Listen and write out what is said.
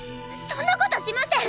そんなことしません！